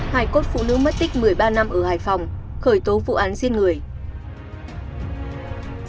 hài cốt phụ nữ mất tích một mươi ba năm ở hải phòng khởi tố vụ án riêng người